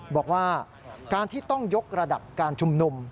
บอกว่าการที่ต้องยกระดับการชุมนุม